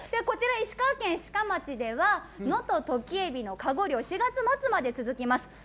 こちら、石川県志賀町では、能登とき海老のかご漁、４月末まで続きます。